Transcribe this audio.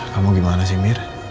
kamu gimana sih mir